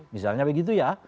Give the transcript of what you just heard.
misalnya begitu ya